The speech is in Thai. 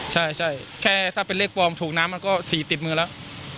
ใช่แค่ถ้าเป็นเลขปลอมถูกน้ำมันก็๔ติดมือแล้ว